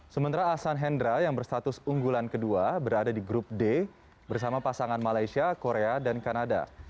sementara asan hendra yang berstatus unggulan kedua berada di grup d bersama pasangan malaysia korea dan kanada